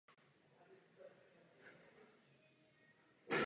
Digitální fotografie také umožňuje rychlé a včasné zveřejnění fotografií v médiích.